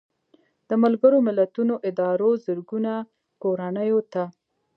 د ملګرو ملتونو ادارو زرګونو کورنیو ته